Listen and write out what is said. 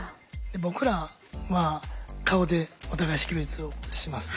僕らは顔でお互い識別をします。